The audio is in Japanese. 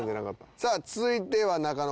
さあ続いては中野。